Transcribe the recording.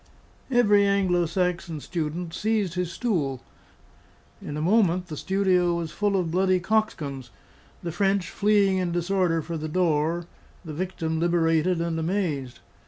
Every Anglo Saxon student seized his stool; in a moment the studio was full of bloody coxcombs, the French fleeing in disorder for the door, the victim liberated and amazed.